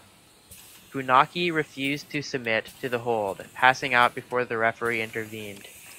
Funaki refused to submit to the hold, passing out before the referee intervened.